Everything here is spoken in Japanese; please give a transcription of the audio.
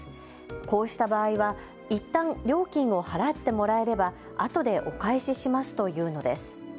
こうした場合はいったん料金を払ってもらえればあとでお返ししますと言うのです。